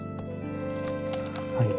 はい。